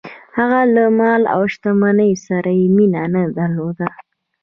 هغه له مال او شتمنۍ سره یې مینه نه درلوده.